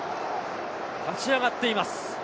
立ち上がっています。